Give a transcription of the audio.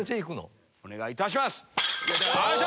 お願いいたします。